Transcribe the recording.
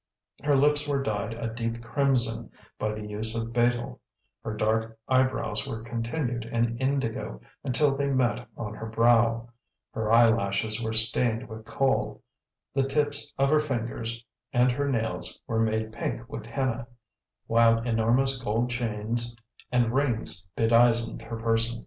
Her lips were dyed a deep crimson by the use of betel; her dark eyebrows were continued in indigo until they met on her brow; her eyelashes were stained with kohl; the tips of her fingers and her nails were made pink with henna; while enormous gold chains and rings bedizened her person.